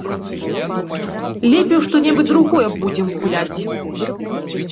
Лепей у што-небудзь другое будзем гуляць.